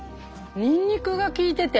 にんにくがきいてて。